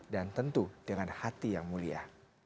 dan tentu dengan hati yang mulia